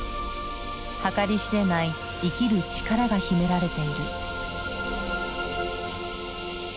計り知れない生きる力が秘められている。